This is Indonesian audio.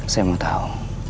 saya mau tau